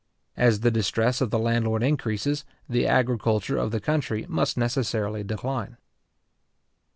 As the distress of the landlord increases, the agriculture of the country must necessarily decline.